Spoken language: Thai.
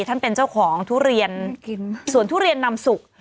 ท่านเป็นเจ้าของทุเรียนสวนทุเรียนนำสุก